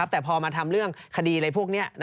แต่พอมาทำเรื่องคดีอะไรพวกนี้